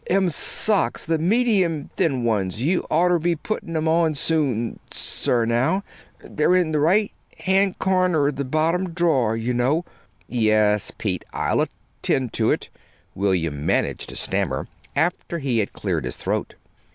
"Them socks the medium thin ones you'd oughter be puttin' 'em on soon, sir, now. They're in the right hand corner of the bottom drawer you know." "Yes, Pete; I'll attend to it," William managed to stammer, after he had cleared his throat.